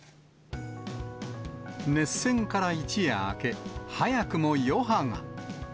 熱戦から一夜明け、早くも余波が。